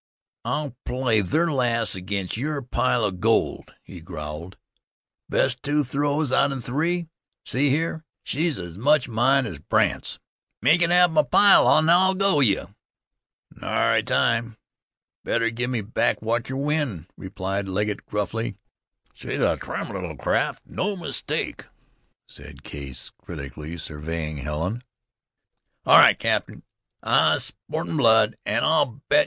"I'll play ther lass against yer pile of gold," he growled. "Best two throws out 'en three. See here, she's as much mine as Brandt's." "Make it half my pile an' I'll go you." "Nary time. Bet, or give me back what yer win," replied Legget gruffly. "She's a trim little craft, no mistake," said Case, critically surveying Helen. "All right, cap'n, I've sportin' blood, an' I'll bet.